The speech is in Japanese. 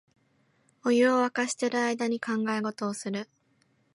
お湯をわかしてる間に考え事をする